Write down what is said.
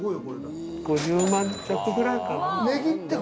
５０万弱くらいかな。